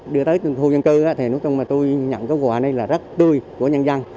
đưa tới khu dân cư thì lúc tôi nhận cái quà này là rất tươi của nhân dân